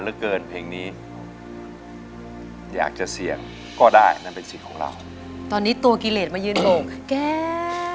เหลือเกินเพลงนี้อยากจะเสี่ยงก็ได้นั่นเป็นสิทธิ์ของเราตอนนี้ตัวกิเลสมายืนโอ่งแก้ว